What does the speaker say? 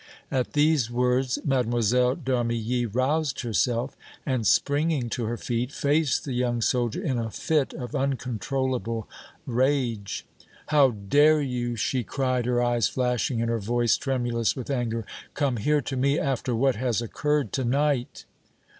At these words Mlle. d' Armilly roused herself and, springing to her feet, faced the young soldier in a fit of uncontrollable rage. "How dare you," she cried, her eyes flashing and her voice tremulous with anger, "come here, to me, after what has occurred to night!"